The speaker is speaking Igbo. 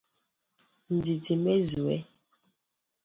Ndidi Mezue